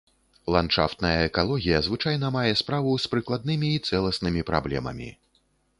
Ландшафтная экалогія звычайна мае справу з прыкладнымі і цэласнымі праблемамі.